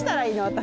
私。